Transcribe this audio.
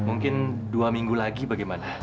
mungkin dua minggu lagi bagaimana